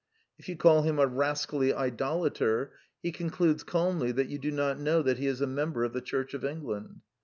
If you call him a rascally idola ter, he concludes calmly that you do not know that he is a member of the Church of England.